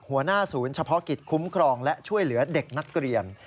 หัวหน้าศูนย์เฉพาะกิจคุ้มครองและช่วยเหลือเด็กนักเรียน